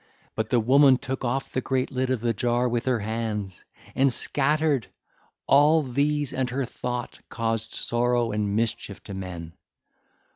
But the woman took off the great lid of the jar 1303 with her hands and scattered all these and her thought caused sorrow and mischief to men.